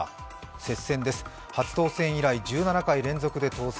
接戦です、初当選以来１７回連続で当選。